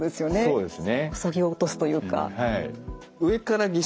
そうですね。